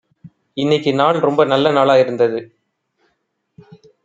இன்னிக்கு நாள் ரொம்ப நல்ல நாளா இருந்நது